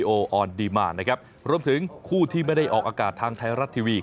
ออกอากาศทางไทรรัททีวี